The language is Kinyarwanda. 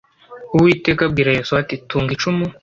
uwiteka abwira yosuwa ati tunga icumu